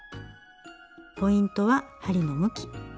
ポイントは針の向き。